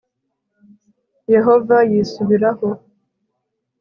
yehova yisubiraho